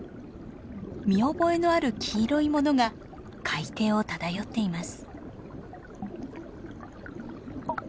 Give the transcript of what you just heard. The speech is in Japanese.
見覚えのある黄色いものが海底を漂っています。